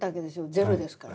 ゼロですから。